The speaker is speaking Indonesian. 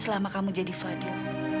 selama kamu jadi fadil